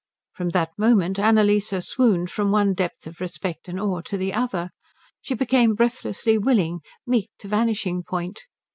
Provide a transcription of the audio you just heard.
From that moment Annalise swooned from one depth of respect and awe to the other. She became breathlessly willing, meek to vanishing point.